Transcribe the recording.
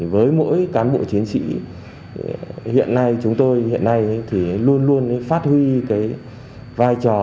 với mỗi cán bộ chiến sĩ hiện nay chúng tôi hiện nay thì luôn luôn phát huy cái vai trò